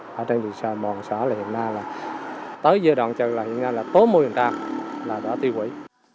cho nên vì sao bọn xã hiện nay là tới giai đoạn trần là hiện nay là tố môi hình trang là đã tiêu hủy